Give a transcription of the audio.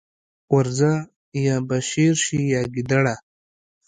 ورځه! يا به شېر شې يا ګيدړه.